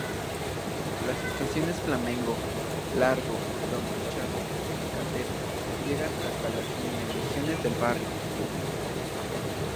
Las estaciones Flamengo, Largo do Machado y Catete llegan hasta las inmediaciones del barrio.